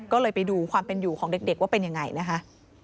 ก็เลยไปดูความเป็นอยู่ของเด็กว่าเป็นยังไงนะคะ